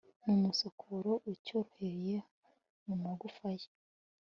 n'umusokoro ucyorohereye mu magufa ye